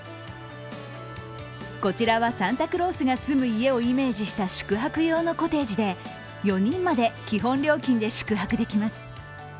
こちらはサンタクロースが住む家をイメージした宿泊用のコテージで４人まで基本料金で宿泊できます。